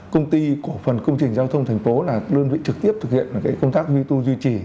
công ty cổ phần công trình giao thông thành phố là đơn vị trực tiếp thực hiện công tác duy tu duy trì